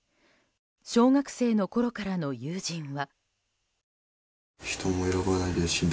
小学生のころからの友人は。